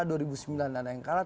dua ribu sembilan mana yang kalah